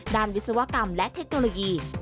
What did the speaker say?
วิศวกรรมและเทคโนโลยี